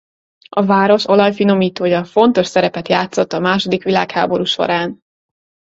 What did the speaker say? A város olajfinomítója fontos szerepet játszott a második világháború során.